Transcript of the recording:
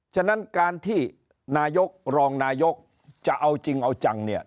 ฉะนั้นการที่นายกรองนายกจะเอาจริงเอาจังเนี่ย